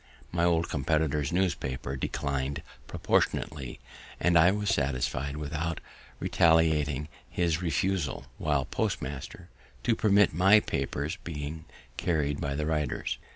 My old competitor's newspaper declin'd proportionately, and I was satisfy'd without retaliating his refusal, while postmaster, to permit my papers being carried by the riders.